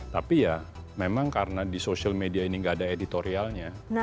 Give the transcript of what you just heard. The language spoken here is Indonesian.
tapi ya memang karena di social media ini gak ada editorialnya